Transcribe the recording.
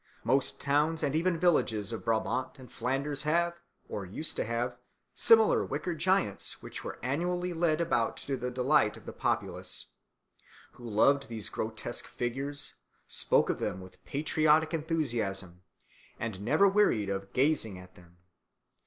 Most towns and even villages of Brabant and Flanders have, or used to have, similar wicker giants which were annually led about to the delight of the populace, who loved these grotesque figures, spoke of them with patriotic enthusiasm, and never wearied of gazing at them.